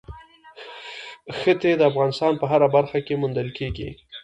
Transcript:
ښتې د افغانستان په هره برخه کې موندل کېږي.